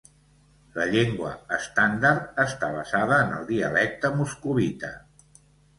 La llengua estàndard està basada en el dialecte moscovita.